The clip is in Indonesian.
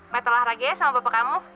matalah lagi ya sama bapak kamu